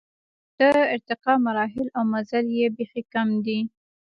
د ارتقا مراحل او مزل یې بېخي کم دی.